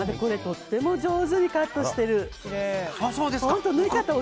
とても上手にカットしてる。